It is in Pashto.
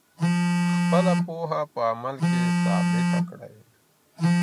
خپله پوهه په عمل کي ثابته کړئ.